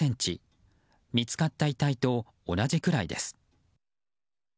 見つかった遺体と同じくらいです。